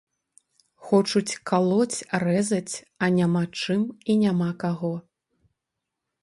Хочуць калоць, рэзаць, а няма чым і няма каго.